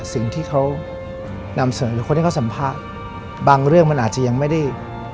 สิ่งที่เขานำเสนอหรือคนที่เขาสัมภาษณ์บางเรื่องมันอาจจะยังไม่ได้